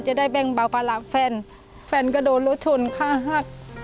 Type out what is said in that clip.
จะได้แบ่งเบาพลาบแฟนแฟนก็โดนแล้วชนค่าหัก